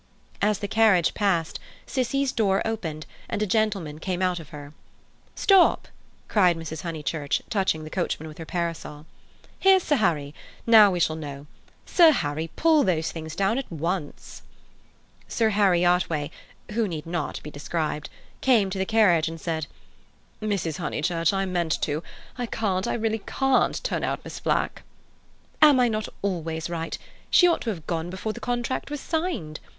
As the carriage passed, "Cissie's" door opened, and a gentleman came out of her. "Stop!" cried Mrs. Honeychurch, touching the coachman with her parasol. "Here's Sir Harry. Now we shall know. Sir Harry, pull those things down at once!" Sir Harry Otway—who need not be described—came to the carriage and said "Mrs. Honeychurch, I meant to. I can't, I really can't turn out Miss Flack." "Am I not always right? She ought to have gone before the contract was signed.